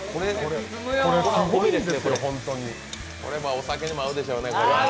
お酒にも合うでしょうね。